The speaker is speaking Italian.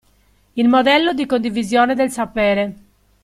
Il modello di condivisione del sapere.